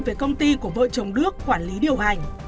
về công ty của vợ chồng đức quản lý điều hành